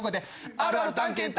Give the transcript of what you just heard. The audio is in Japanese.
あるある探検隊。